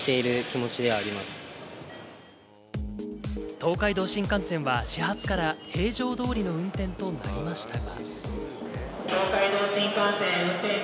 東海道新幹線は始発から平常通りの運転となりましたが。